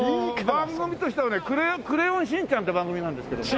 番組としてはね『クレヨンしんちゃん』って番組なんですけども。